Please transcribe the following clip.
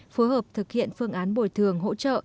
phối hợp thực hiện phương án bồi thường hỗ trợ